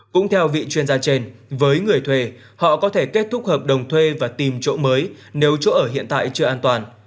cũng theo vị chuyên gia trên với người thuê họ có thể kết thúc hợp đồng thuê và tìm chỗ mới nếu chỗ ở hiện tại chưa an toàn